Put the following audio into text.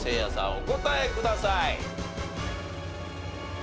お答えください。